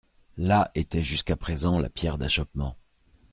Là était jusqu'à présent la pierre d'achoppement.